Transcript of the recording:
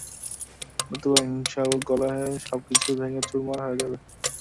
নতুবা হিংসা ও কলহে সবকিছু ভেঙ্গে চুরমার হয়ে যাবে।